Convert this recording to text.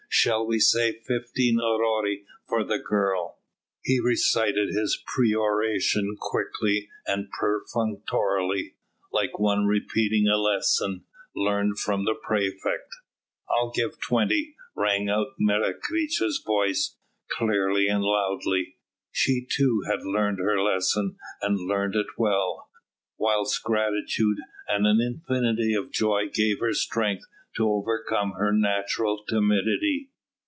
Shall we say fifteen aurei for the girl?" He recited his peroration quickly and perfunctorily, like one repeating a lesson, learned from the praefect. "I'll give twenty," rang out Menecreta's voice, clearly and loudly. She, too, had learned her lesson, and learned it well, whilst gratitude and an infinity of joy gave her strength to overcome her natural timidity.